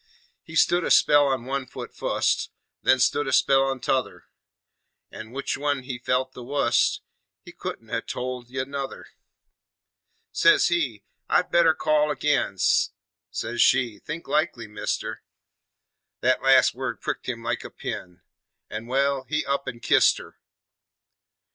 He stood a spell on one foot fust, Then stood a spell on t' other, An' on which one he felt the wust He couldn't ha' told ye nuther. Says he, "I'd better call agin"; Says she, "Think likely, Mister"; Thet last word pricked him like a pin, An' ... Wal, he up an' kist her.